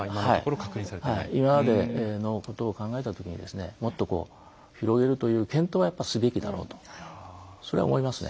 今までのことを考えた時にもっと広げるという検討はやっぱりすべきだろうとそれは、思いますね。